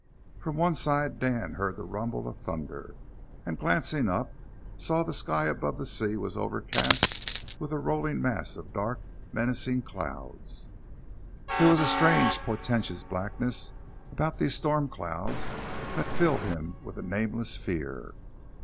From one side Dan heard the rumble of thunder, and, glancing up, saw that the sky above the sea was overcast with a rolling mass of dark, menacing clouds. There was a strange portentous blackness about these storm clouds that filled him with a nameless fear.